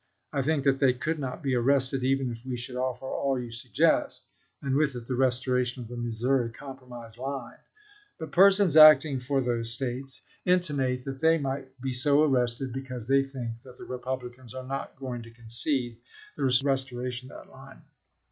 I think that they could not be arrested even if we should offer all you sug gest and with it the restoration of the Missouri Com promise line. But persons acting for those States intimate that they might be so arrested because they think that the Republicans are not going to concede the restoration of that line.